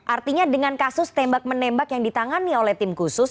artinya dengan kasus tembak menembak yang ditangani oleh tim khusus